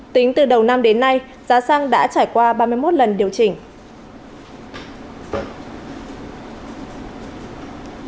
tính từ đầu năm đến nay giá xăng đã trải qua ba mươi một lần điều chỉnh